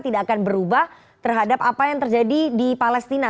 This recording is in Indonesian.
tidak akan berubah terhadap apa yang terjadi di palestina